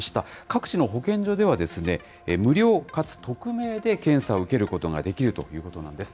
各地の保健所では、無料かつ匿名で検査を受けることができるということなんです。